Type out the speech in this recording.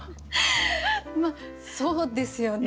まあそうですよね。